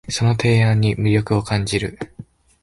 その提案に魅力を感じる